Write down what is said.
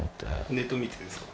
ネット見てですか？